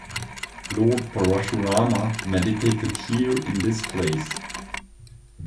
Lord Parashurama meditated here in this place.